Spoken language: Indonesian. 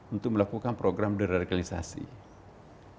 untuk melakukan program deregalisasi